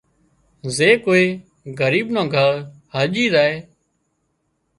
زي ڪوئي ڳريٻ نان گھر هرڄي زائي